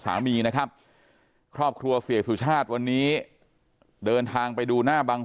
สามีนะครับครอบครัวเสียสุชาติวันนี้เดินทางไปดูหน้าบัง